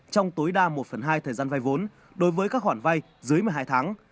trong tối đa một phần hai thời gian vay vốn đối với các khoản vay dưới một mươi hai tháng